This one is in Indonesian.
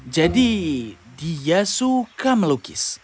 jadi dia suka melukis